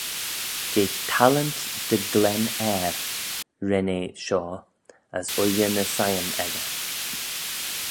Jeh talent dy glen airh ren eh shoh as ooilley ny siyn echey.